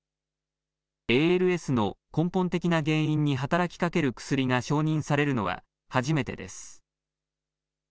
ＡＬＳの根本的な原因に働きかける薬が承認されるのは初めてです。